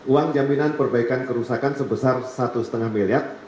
uang jaminan perbaikan kerusakan sebesar satu lima miliar